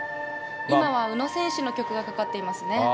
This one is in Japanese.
今は宇野選手の曲がかかっていますね。